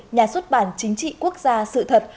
nhà xuất bản chính trị quốc gia sự thật